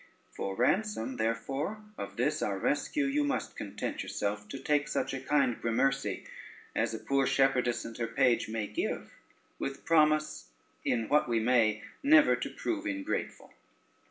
For ransom, therefore, of this our rescue, you must content yourself to take such a kind gramercy as a poor shepherdess and her page may give, with promise, in what we may, never to prove ingrateful.